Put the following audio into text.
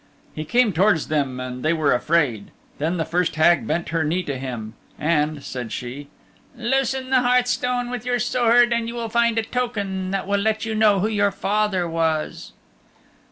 He came towards them and they were afraid. Then the first Hag bent her knee to him, and, said she, "Loosen the hearthstone with your sword and you will find a token that will let you know who your father was."